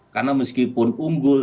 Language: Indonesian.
karena meskipun unggul